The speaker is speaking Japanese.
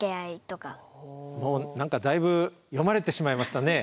だいぶ読まれてしまいましたね。